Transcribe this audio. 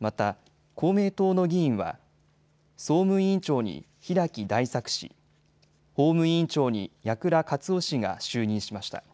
また公明党の議員は総務委員長に平木大作氏、法務委員長に矢倉克夫氏が就任しました。